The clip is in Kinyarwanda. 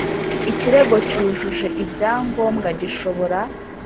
ikirego cyujuje ibyangombwa gishobora